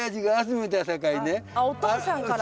あお父さんから。